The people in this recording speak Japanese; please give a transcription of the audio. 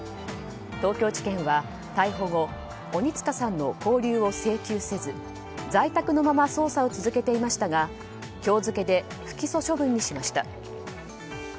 東京地検は逮捕後、鬼束さんの勾留を請求せず在宅のまま捜査を続けていましたが、今日付で不起訴処分にしました。